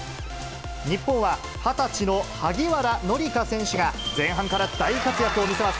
日本は２０歳の萩原紀佳選手が前半から大活躍を見せます。